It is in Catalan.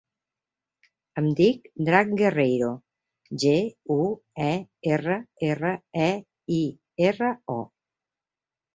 Em dic Drac Guerreiro: ge, u, e, erra, erra, e, i, erra, o.